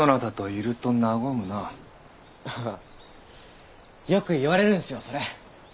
あよく言われるんすよそれ。